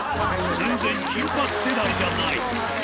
全然、金八世代じゃない。